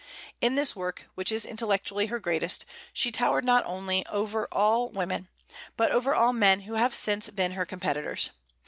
In this work, which is intellectually her greatest, she towered not only over all women, but over all men who have since been her competitors.